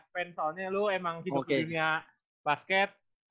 pen soalnya lo emang hidup di dunia basket